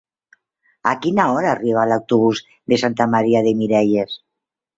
A quina hora arriba l'autobús de Santa Maria de Miralles?